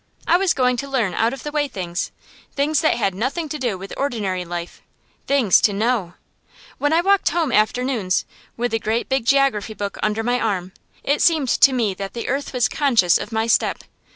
I was going to learn out of the way things, things that had nothing to do with ordinary life things to know. When I walked home afternoons, with the great big geography book under my arm, it seemed to me that the earth was conscious of my step.